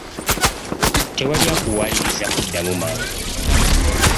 Tewali akuwaliriza kuddamu mangu.